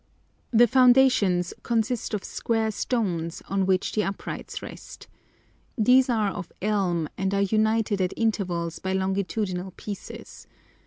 The foundations consist of square stones on which the uprights rest. These are of elm, and are united at intervals by longitudinal pieces.